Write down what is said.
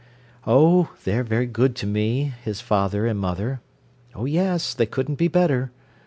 Oh, they're very good to me, his father and mother. Oh yes, they couldn't be better.